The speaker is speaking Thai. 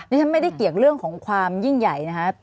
นี้ชั้นไม่สัมมุติเรื่องของความยิ่งใหญ่นะครับ